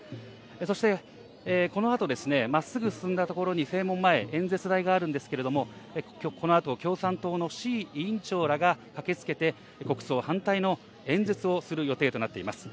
そして、このあと、まっすぐ進んだ所に、正門前、演説台があるんですけれども、このあと、共産党の志位委員長らが駆けつけて、国葬反対の演説をする予定となっています。